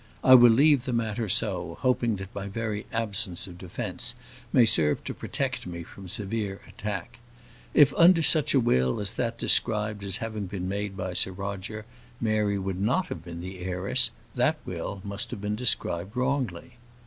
I will leave the matter so, hoping that my very absence of defence may serve to protect me from severe attack. If under such a will as that described as having been made by Sir Roger, Mary would not have been the heiress, that will must have been described wrongly.